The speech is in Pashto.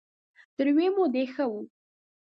تر يوې مودې ښه وو.